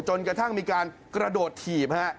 จนกระทั่งมีการกระโดดถีบ